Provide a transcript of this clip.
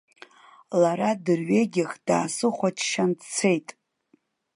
Лара дырҩегьых даасыхәаччан дцеит.